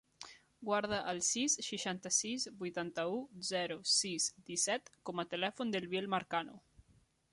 Guarda el sis, seixanta-sis, vuitanta-u, zero, sis, disset com a telèfon del Biel Marcano.